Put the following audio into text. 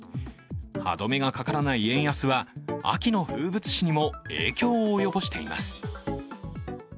歯止めがかからない円安は秋の風物詩にも影響を及ぼしています。